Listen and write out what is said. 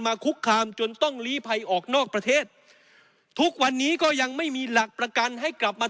คุกคามจนต้องลีภัยออกนอกประเทศทุกวันนี้ก็ยังไม่มีหลักประกันให้กลับมา